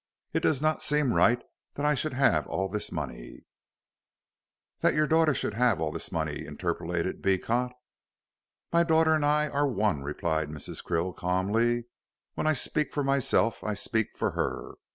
It does not seem right that I should have all this money " "That your daughter should have all this money," interpolated Beecot. "My daughter and I are one," replied Mrs. Krill, calmly; "when I speak for myself, I speak for her.